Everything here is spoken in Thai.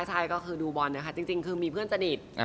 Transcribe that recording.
ใช่ก็คือดูบอลนะคะจริงคือมีเพื่อนสนิท